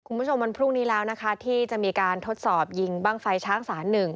คุณผู้ชมวันพรุ่งนี้แล้วที่จะมีการทดสอบยิงบ้างไฟช้างสาร๑